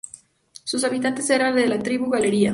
Sus habitantes eran de la tribu Galeria.